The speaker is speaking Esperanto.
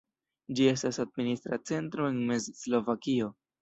Ĝi estas administra centro en Mez-Slovakio.